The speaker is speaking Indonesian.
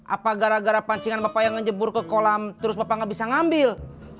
apa gara gara pancingan bapak yang ngejebur ke kolam terus bapak nggak bisa ngambil